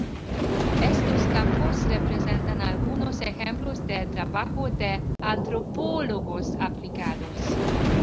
Estos campos representan algunos ejemplos del trabajo de antropólogos aplicados.